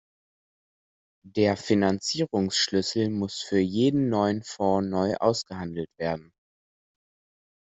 Der Finanzierungsschlüssel muss für jeden neuen Fonds neu ausgehandelt werden.